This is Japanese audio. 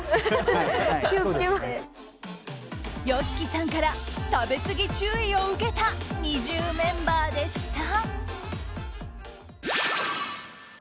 ＹＯＳＨＩＫＩさんから食べすぎ注意を受けたＮｉｚｉＵメンバーでした。